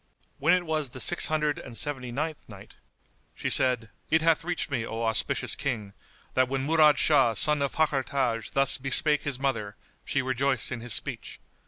When it was the Six Hundred and Seventy ninth Night, She said, It hath reached me, O auspicious King, that when Murad Shah son of Fakhr Taj thus bespake his mother, she rejoiced in his speech.